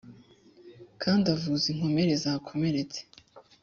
kandi akavuza inkomere zakomeretse